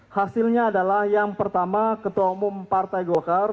hasilnya adalah yang pertama ketua umum partai golkar